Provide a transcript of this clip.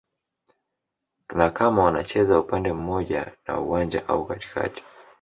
na kama wanacheza upande mmoja wa uwanja au katikati